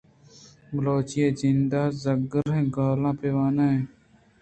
بلوچی جِند ءِ زگریں گالاں بہ وانین ایں